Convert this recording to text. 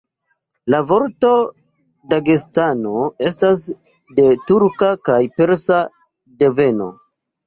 La vorto Dagestano estas de turka kaj persa deveno.